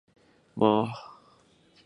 复眼光滑或具毛。